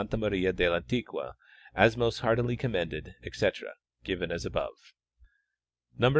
Maria del Antiqua as most heartily commended, etc. Given as abo\^e. 14.